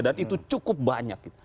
dan itu cukup banyak